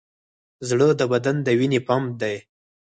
زړه د بدن د وینې پمپ دی.